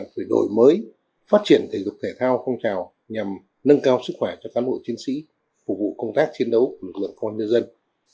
phải đổi mới phát triển thể dục thể thao phong trào nhằm nâng cao sức khỏe cho cán bộ chiến sĩ phục vụ công tác chiến đấu của lực lượng công an nhân dân